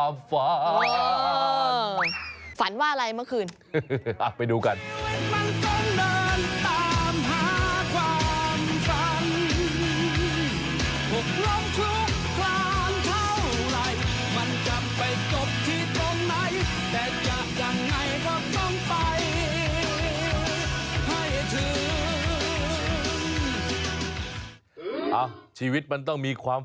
มันจะไปจบที่ตรงไหน